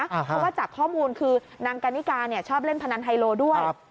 เพราะว่าจากข้อมูลคือนางกันนิกาชอบเล่นพนันไฮโลด้วย